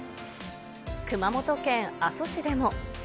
熊本県阿蘇市でも。